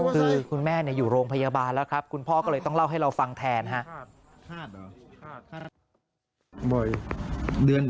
คือคุณแม่อยู่โรงพยาบาลแล้วครับคุณพ่อก็เลยต้องเล่าให้เราฟังแทนครับ